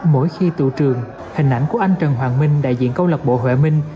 mỗi khi tụ trường hình ảnh của anh trần hoàng minh đại diện câu lạc bộ huệ